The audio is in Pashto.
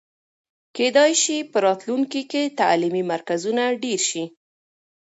کېدای سي په راتلونکي کې تعلیمي مرکزونه ډېر سي.